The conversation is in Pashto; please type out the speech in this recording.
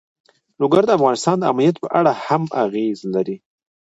لوگر د افغانستان د امنیت په اړه هم اغېز لري.